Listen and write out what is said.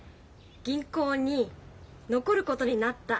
銀行に残ることになった。